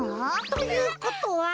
ということは。